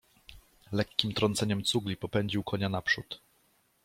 Lekkim trąceniem cugli popędził konia naprzód.